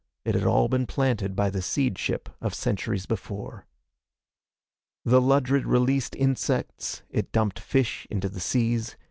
It had all been planted by the seed ship of centuries before. The Ludred released insects, it dumped fish into the seas.